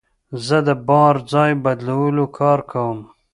زه د بار ځای بدلولو کار کوم.